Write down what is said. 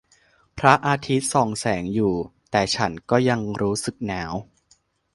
พระอาทิตย์ส่องแสงอยู่ แต่ฉันก็ยังรู้สึกหนาว